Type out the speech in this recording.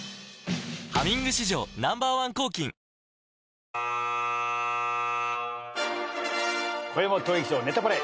「ハミング」史上Ｎｏ．１抗菌こよいも当劇場『ネタパレ』